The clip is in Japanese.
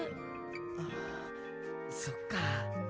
あっそっか。